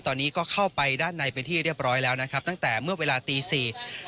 ตอนนี้ก็เข้าไปด้านในเป็นที่เรียบร้อยแล้วนะครับตั้งแต่เมื่อเวลาตีสี่